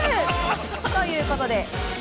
ということで。